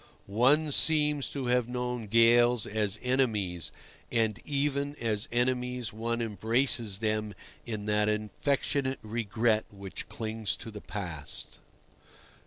One seems to have known gales as enemies, and even as enemies one embraces them in that affectionate regret which clings to the past.